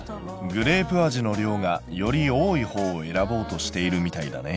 グレープ味の量がより多いほうを選ぼうとしているみたいだね。